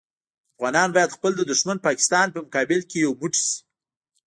افغانان باید خپل د دوښمن پاکستان په مقابل کې یو موټی شي.